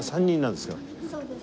３人なんですけど。